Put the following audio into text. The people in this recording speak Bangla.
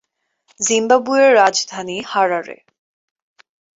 জিম্বাবুয়ের রাজধানী হারারে।